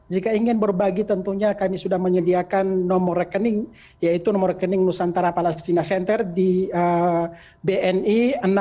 jika ingin berbagi tentunya kami sudah menyediakan nomor rekening yaitu nomor rekening nusantara palestina center di bni enam puluh sembilan ribu sembilan ratus delapan puluh sembilan